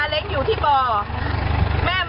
มูลนี้ทีพวกพี่เขามาช่วยแม่